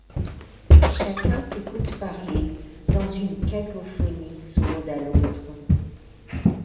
Chacun s’écoute parler dans une cacophonie sourde à l’autre.